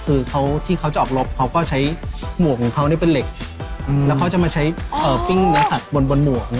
คือที่เขาจะออกรบเขาก็ใช้หมวกของเขาเป็นเหล็กแล้วเขาจะมาใช้ปิ้งเนื้อสัตว์บนหมวก